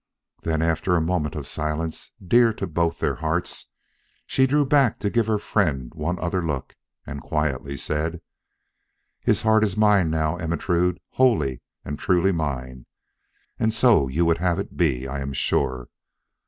Then after a moment of silence dear to both their hearts, she drew back to give her friend one other look, and quietly said: "His heart is mine now, Ermentrude, wholly and truly mine. And so you would have it be, I am sure.